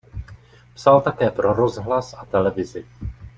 Psal také pro rozhlas a televizi.